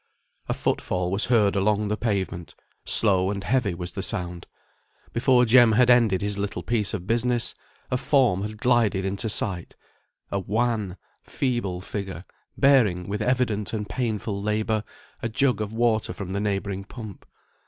A foot fall was heard along the pavement; slow and heavy was the sound. Before Jem had ended his little piece of business, a form had glided into sight; a wan, feeble figure, bearing, with evident and painful labour, a jug of water from the neighbouring pump.